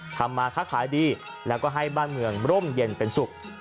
ทำมาค้าขายดีแล้วก็ให้บ้านเมืองร่มเย็นเป็นสุข